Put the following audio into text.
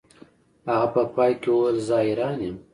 هغه په پای کې وویل زه حیران یم